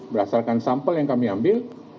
berdasarkan sampel yang kami ambil